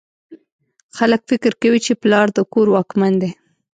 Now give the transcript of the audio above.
خلک فکر کوي چې پلار د کور واکمن دی